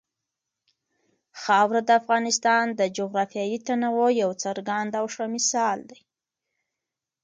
خاوره د افغانستان د جغرافیوي تنوع یو څرګند او ښه مثال دی.